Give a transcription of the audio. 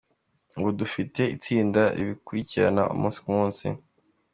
Ubu dufite itsinda ribikurikirana umunsi ku munsi.